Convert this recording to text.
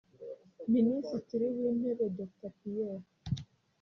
Minisitiri w’Intebe Dr Pierre